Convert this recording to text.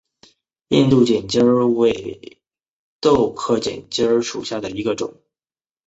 印度锦鸡儿为豆科锦鸡儿属下的一个种。